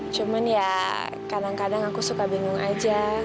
cuman ya kadang kadang aku suka bingung aja